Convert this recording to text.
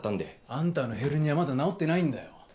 あんたのヘルニアまだ治ってないんだよ。